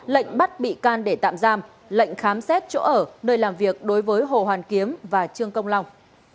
lệnh bắt bị can để tạm giam lệnh khám xét chỗ ở nơi làm việc đối với hồ hoàn kiếm và trương công long